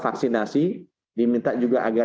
vaksinasi diminta juga agar